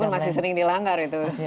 walaupun masih sering dilanggar ya